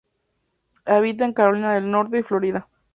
Habita en Carolina del Norte y Florida.